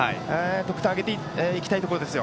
得点を挙げていきたいところです。